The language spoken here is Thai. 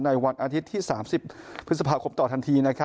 วันอาทิตย์ที่๓๐พฤษภาคมต่อทันที